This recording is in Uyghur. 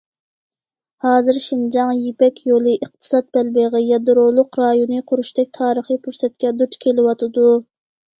ھازىر شىنجاڭ يىپەك يولى ئىقتىساد بەلبېغى يادرولۇق رايونى قۇرۇشتەك تارىخىي پۇرسەتكە دۇچ كېلىۋاتىدۇ.